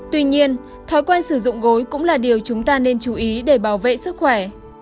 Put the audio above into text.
tuy nhiên thói quen sử dụng gối cũng là điều chúng ta nên chú ý để bảo vệ sức khỏe